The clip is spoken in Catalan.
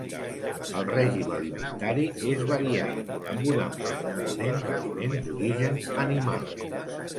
El règim alimentari és variat, amb un ample component d'aliment d'origen animal.